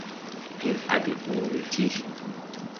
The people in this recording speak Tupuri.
Pir a de hõõ bɛ ti.